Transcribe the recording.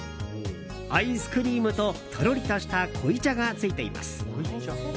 アイスクリームととろりとした濃茶がついています。